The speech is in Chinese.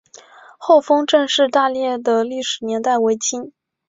厚丰郑氏大厝的历史年代为清。